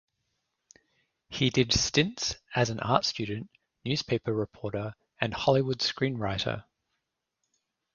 He did stints as an art student, newspaper reporter and Hollywood screenwriter.